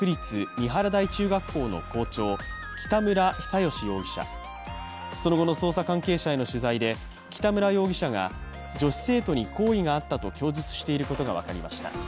三原台中学校の校長北村比左嘉容疑者、その後の捜査関係者への取材で北村容疑者が女子生徒に好意があったと供述していることが分かりました。